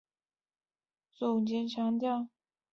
张军作了总结强调